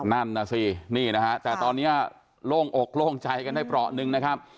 นั่นน่ะสินี่นะฮะแต่ตอนนี้โล่งอกโล่งใจกันได้เปราะหนึ่งนะครับ